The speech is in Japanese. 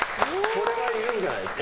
これは言うんじゃないですか。